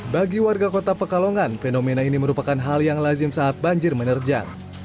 bagi warga kota pekalongan fenomena ini merupakan hal yang lazim saat banjir menerjang